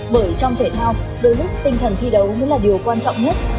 bởi trong thể thao đôi lúc tinh thần thi đấu mới là điều quan trọng nhất